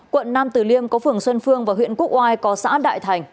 quận nam tử liêm có phường xuân phương và huyện quốc oai có xã đại thành